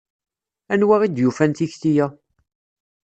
Anwa i d-yufan tikti-a?